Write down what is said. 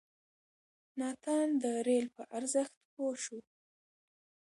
ناتان د رېل په ارزښت پوه شو.